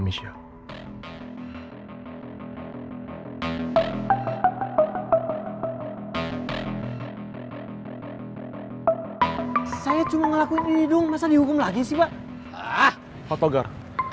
musnah hukum bumbar